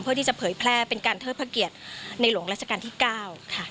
เพื่อที่จะเผยแพร่เป็นการเทิดพระเกียรติในหลวงราชการที่๙ค่ะ